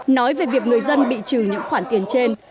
nói về việc người dân bị trừ những khoản tiền trên